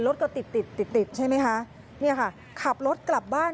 รถก็ติดติดติดติดใช่ไหมคะเนี่ยค่ะขับรถกลับบ้าน